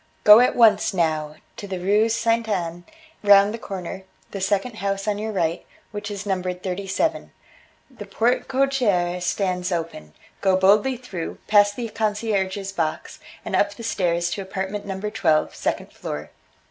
Go at once, now, to the Rue Ste. Anne, round the corner, the second house on your right, which is numbered thirty seven. The porte cochere stands open, go boldly through, past the concierge's box, and up the stairs to apartment number twelve, second floor.